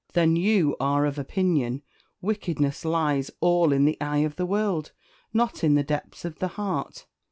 "Then you are of opinion wickedness lies all in the eye of the world, not in the depths of the heart?